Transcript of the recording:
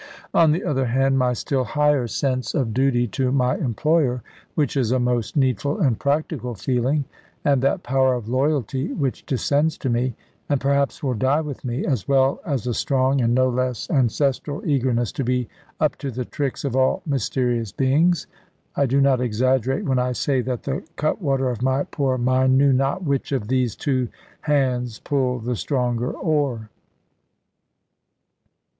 On the other hand, my still higher sense of duty to my employer (which is a most needful and practical feeling), and that power of loyalty which descends to me, and perhaps will die with me, as well as a strong, and no less ancestral, eagerness to be up to the tricks of all mysterious beings I do not exaggerate when I say that the cut water of my poor mind knew not which of these two hands pulled the stronger oar.